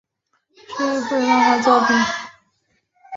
是一部由文乃千创作的漫画作品。